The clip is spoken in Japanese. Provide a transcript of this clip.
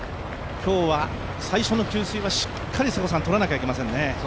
今日は最初の給水はしっかり取らなきゃいけませんね。